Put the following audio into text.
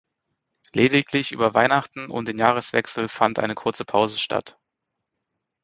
Lediglich über Weihnachten und den Jahreswechsel fand eine kurze Pause statt.